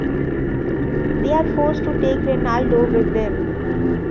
They are forced to take Reinaldo with them.